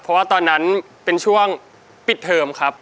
เพราะว่าตอนนั้นเป็นช่วงปิดเทอมครับ